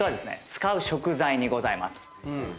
使う食材にございます。